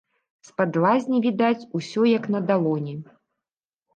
З-пад лазні відаць усё як на далоні.